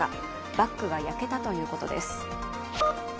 バッグが焼けたということです。